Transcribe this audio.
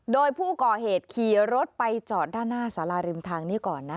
โดยผู้ก่อเหตุขี่รถไปจอดด้านหน้าสาราริมทางนี้ก่อนนะ